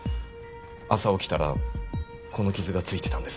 朝起きたらこの傷が付いてたんです。